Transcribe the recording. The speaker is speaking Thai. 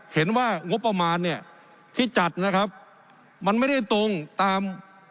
เห็นว่างบประมาณเนี่ยที่จัดนะครับมันไม่ได้ตรงตาม